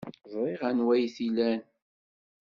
Ẓriɣ anwa ay t-ilan.